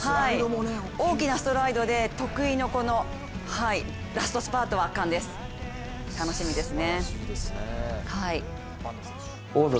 大きなストライドで得意のラストスパートは圧巻です、楽しみですね。